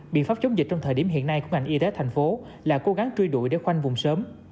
biện pháp chống dịch trong thời điểm hiện nay của ngành y tế thành phố là cố gắng truy đuổi để khoanh vùng sớm